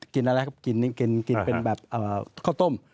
กินอะไรครับกินนี่กินเป็นแบบข้าวต้ม